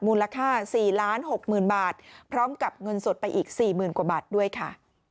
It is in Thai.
มูลค่า๔๖๐๐๐บาทพร้อมกับเงินสดไปอีก๔๐๐๐กว่าบาทด้วยค่ะ